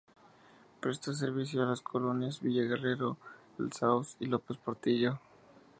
Presta servicio a las colonias "Villa Guerrero", "El Sauz" y "López Portillo".